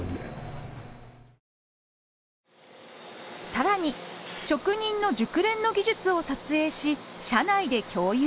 さらに職人の熟練の技術を撮影し社内で共有。